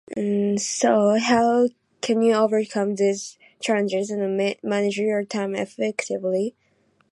So, how can you overcome these challenges and manage your time effectively?